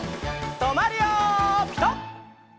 とまるよピタ！